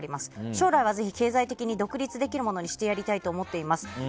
将来はぜひ経済的に独立できるものにしたいと思っています。